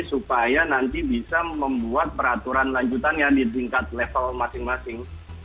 agar dia nanti bisa membuat peraturan lanjutan yang di tingkat level masing masing